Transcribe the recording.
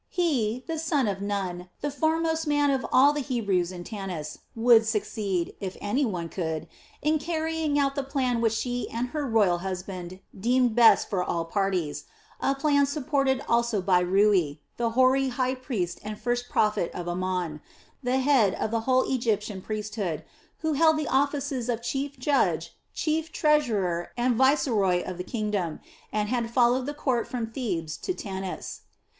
He, the son of Nun, the foremost man of all the Hebrews in Tanis, would succeed, if any one could, in carrying out the plan which she and her royal husband deemed best for all parties, a plan supported also by Rui, the hoary high priest and first prophet of Amon, the head of the whole Egyptian priesthood, who held the offices of chief judge, chief treasurer, and viceroy of the kingdom, and had followed the court from Thebes to Tanis.